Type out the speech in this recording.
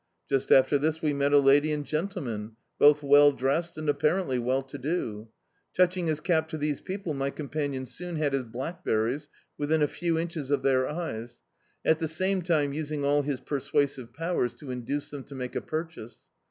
Just after this we met a lady and gentleman, both well dressed and apparently well to do. Touching his cap to these people my companion soon had his blackberries within a few inches of their eyes, at the same time using all his persuasive powers to induce them to make a purchase.